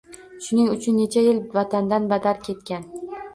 Shuning uchun necha yil vatandan badar ketgan.